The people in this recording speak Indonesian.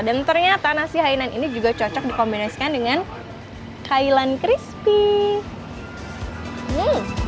dan ternyata nasi hainan ini juga cocok dikombinasikan dengan kailan crispy